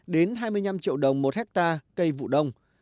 đến hai mươi năm triệu đồng một hectare cây vụ đông